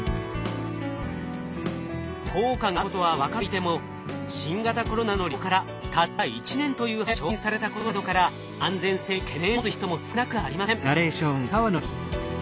効果があることは分かっていても新型コロナの流行からたった１年という早さで承認されたことなどから安全性に懸念を持つ人も少なくありません。